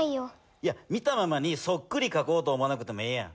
いや見たままにそっくりかこうと思わなくてもええやん。